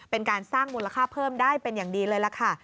เป็นการสร้างมูลค่าเพิ่มได้เป็นอย่างดีเลยล่ะค่ะ